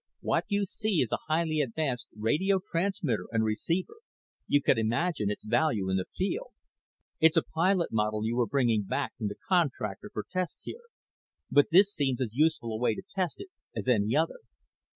What you see is a highly advanced radio transmitter and receiver. You can imagine its value in the field. It's a pilot model you were bringing back from the contractor for tests here. But this seems as useful a way to test it as any other."